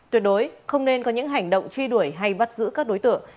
tuyệt đối không nên có những hành động truy đuổi hay bắt giữ các đối tượng